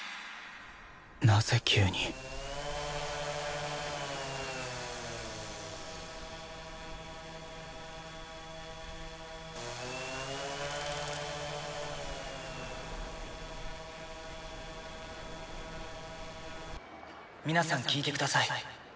なぜ急に皆さん聞いてください